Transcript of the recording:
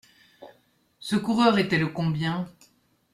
Ce coureur était le combien ?